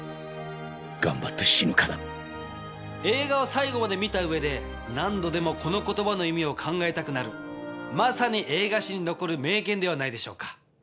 映画を最後まで見た上で何度でもこの言葉の意味を考えたくなるまさに映画史に残る名言ではないでしょうか。